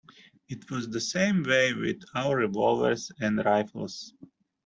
It was the same way with our revolvers and rifles.